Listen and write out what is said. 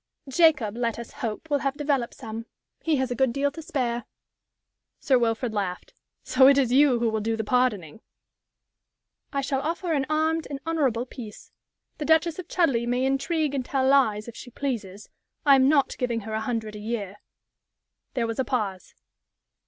"Jacob, let us hope, will have developed some. He has a good deal to spare." Sir Wilfrid laughed. "So it is you who will do the pardoning?" "I shall offer an armed and honorable peace. The Duchess of Chudleigh may intrigue and tell lies, if she pleases. I am not giving her a hundred a year." There was a pause.